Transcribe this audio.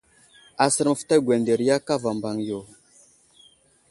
Asər məftay gwanderiya kava mbaŋ yo.